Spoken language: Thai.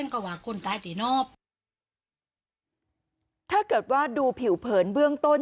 กว่าคนตายตีนอบถ้าเกิดว่าดูผิวเผินเบื้องต้น